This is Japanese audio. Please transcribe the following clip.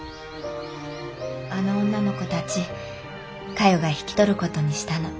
あの女の子たちかよが引き取る事にしたの。